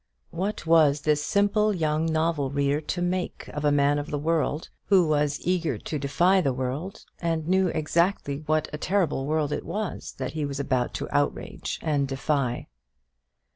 What was this simple young novel reader to make of a man of the world, who was eager to defy the world, and knew exactly what a terrible world it was that he was about to outrage and defy?